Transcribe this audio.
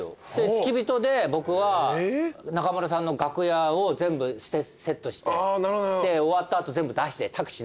付き人で僕は中村さんの楽屋を全部セットして。で終わった後全部出してタクシー乗せて出して。